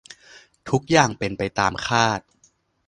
ทุกอย่างเป็นไปตามคาด